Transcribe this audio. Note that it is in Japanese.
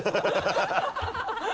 ハハハ